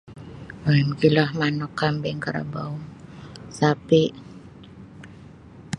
um Mogilo manuk kambing karabau sapi'.